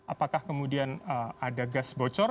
apakah kemudian ada gas bocor